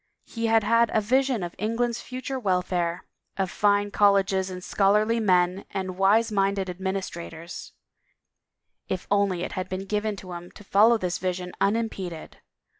He had had a vision of England's future welfare, of fine colleges and scholarly men and wise minded administrators — if only it had been given to him to follow this vision unimpeded!